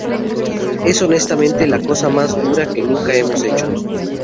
Es honestamente la cosa más dura que nunca hemos hecho.